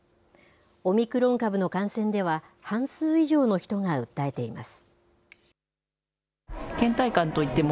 オミクロン株の感染では、半数以上の人が訴えています。